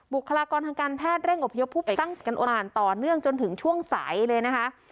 บุคลากรทางการแพทย์เร่งอบเที่ยวผู้ป่ายสร้างการอดภัณฑ์ต่อเนื่องจนถึงช่วงสายเลยนะคะ